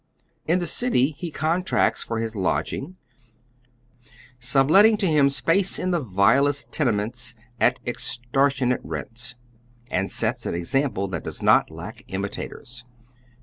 In the city lie contracts for liis lodging, subletting to liini space in the vilest tenements at extortionate J'ents, and sets an example that does not lack imitators.